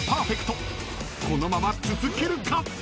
［このまま続けるか？